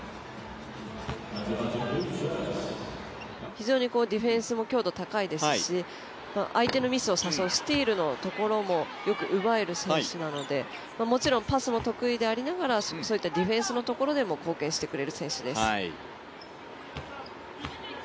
非常にディフェンスも強度高いですし相手のミスを誘うスチールのところも、よく奪える選手なのでもちろんパスも得意でありながらディフェンスのところでも貢献してくれる選手です。